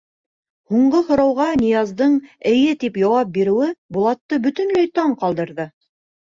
Һуңғы һорауға Нияздың «эйе» тип яуап биреүе Булатты бөтөнләй таң ҡалдырҙы.